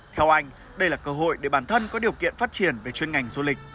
theo anh đây là cơ hội để bản thân có điều kiện phát triển về chuyên ngành du lịch